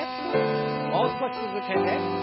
もう少し続けて。